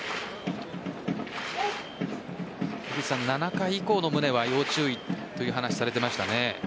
７回以降の宗は要注意という話されていましたね。